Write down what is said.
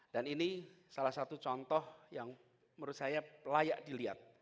dan ini salah satu contoh yang menurut saya layak dilihat